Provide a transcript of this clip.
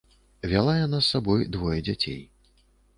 Вяла яна з сабой двое дзяцей.